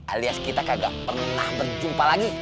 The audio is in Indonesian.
alias kita kagak pernah berjumpa lagi